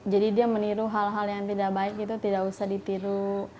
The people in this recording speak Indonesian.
jadi dia meniru hal hal yang tidak baik itu tidak usah ditiru